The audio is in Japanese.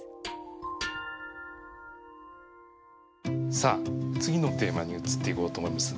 さあ次のテーマに移っていこうと思います。